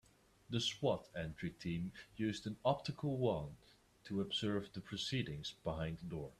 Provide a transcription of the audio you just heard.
The S.W.A.T. entry team used an optical wand to observe the proceedings behind the door.